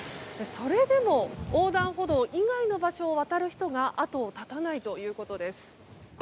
それでも横断歩道以外の場所を渡る人が後を絶たないということです。